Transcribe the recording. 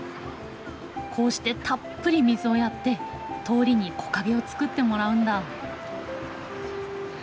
こうしてたっぷり水をやって通りに木陰を作ってもらうんだ。